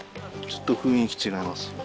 ちょっと雰囲気違います。